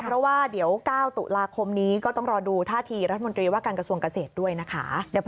เพราะว่าเดี๋ยว๙ตุลาคมนี้ก็ต้องรอดูท่าทีรัฐมนตรีว่าการกระทรวงเกษตรด้วยนะคะ